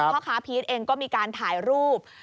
พ่อค้าพีชเองก็มีการถ่ายรูป